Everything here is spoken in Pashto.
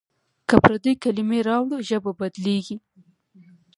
که پردۍ کلمې راوړو ژبه بدلېږي.